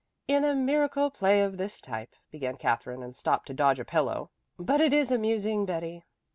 "In a Miracle play of this type " began Katherine, and stopped to dodge a pillow. "But it is amusing, Betty."